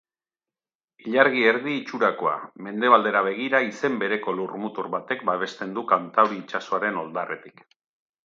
Ilargi-erdi itxurakoa, mendebaldera begira, izen bereko lurmutur batek babesten du Kantauri itsasoaren oldarretik.